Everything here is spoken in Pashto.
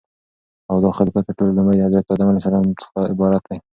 او داخليفه تر ټولو لومړى دحضرت ادم عليه السلام څخه عبارت دى